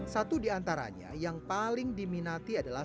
satu di antaranya yang paling diminati adalah